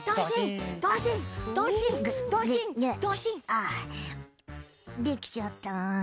あっできちゃった。